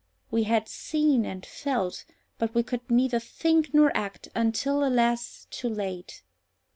We had seen and felt, but we could neither think nor act, until, alas! too late.